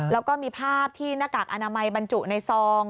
แล้วก็มีภาพที่นาคามันบรรจุในซอง